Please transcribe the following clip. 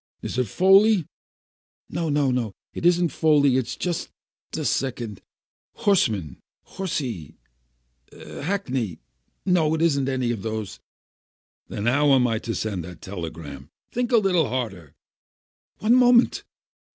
Is it Foley?" "No, no, it isn't Foley. Just a second— Horseman Horsey — Hackney. No, it isn't any of those." "Then how am I to send that telegram? Think a little harder!" "One moment!